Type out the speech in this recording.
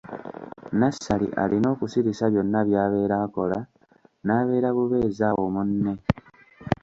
Nassali alina okusirisa byonna by'abeera akola n'abeera bubeezi awo munne.